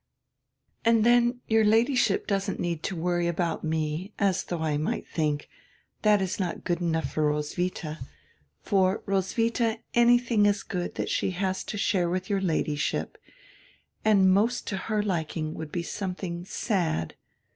"And dien your Ladyship doesn't need to worry about me, as though I might think: 'diat is not good enough for Roswitha.' For Roswitha anything is good diat she has to share widi your Ladyship, and most to her liking would be something sad.